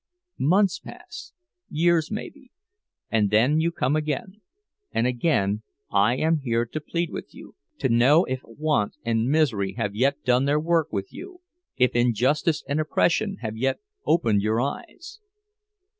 Months pass, years maybe—and then you come again; and again I am here to plead with you, to know if want and misery have yet done their work with you, if injustice and oppression have yet opened your eyes!